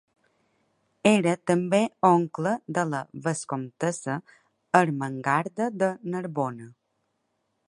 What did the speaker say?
Era també oncle de la vescomtessa Ermengarda de Narbona.